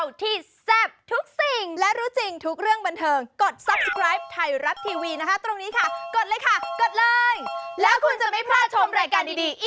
นี่แหละลูกผู้ชายตัวจริงเลยนะคะ